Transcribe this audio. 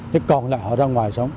thế còn lại họ ra ngoài sống